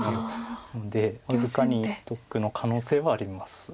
なので僅かに得の可能性はあります。